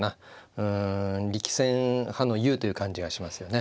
うん力戦派の雄という感じがしますよね。